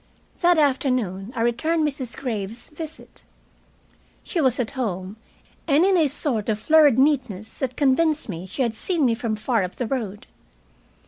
That afternoon I returned Mrs. Graves's visit. She was at home, and in a sort of flurried neatness that convinced me she had seen me from far up the road.